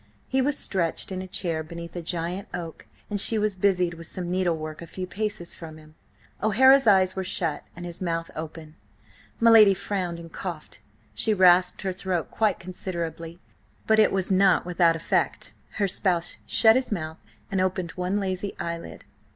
He was stretched in a chair beneath a giant oak, and she was busied with some needlework a few paces from him. O'Hara's eyes were shut and his mouth open. My lady frowned and coughed. She rasped her throat quite considerably, but it was not without effect; her spouse shut his mouth and opened one lazy eyelid.